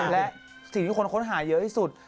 และสิ่งที่คนค้นหาเยอะที่สุด